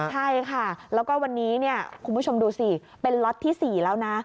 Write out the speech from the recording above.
ใช่ค่ะแล้วก็วันนี้คุณผู้ชมดูสิเป็นล็อตที่๔แล้วนะ